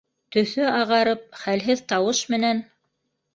Төҫө ағарып, хәлһеҙ тауыш менән: